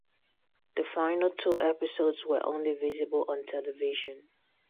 The final two episodes were only visible on television.